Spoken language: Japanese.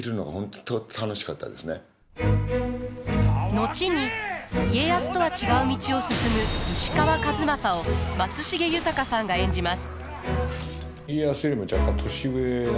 後に家康とは違う道を進む石川数正を松重豊さんが演じます。